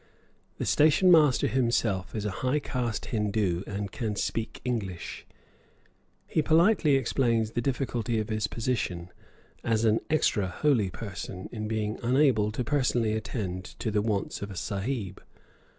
The station master himself is a high caste Hindoo and can speak English; he politely explains the difficulty of his position, as an extra holy person, in being unable to personally attend to the wants of a Sahib.